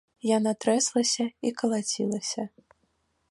Яна трэслася і калацілася.